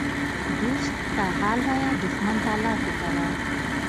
ـ دوست ته حال وایه دښمن ته لافي کوه.